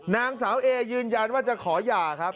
นางสาวเอยืนยันว่าจะขอหย่าครับ